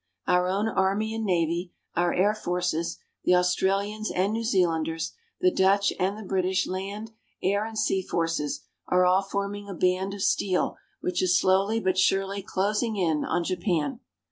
Our own Army and Navy, our Air Forces, the Australians and New Zealanders, the Dutch, and the British land, air and sea forces are all forming a band of steel which is slowly but surely closing in on Japan.